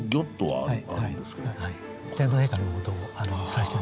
はい。